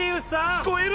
聞こえる？